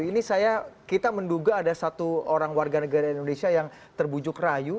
ini saya kita menduga ada satu orang warga negara indonesia yang terbujuk rayu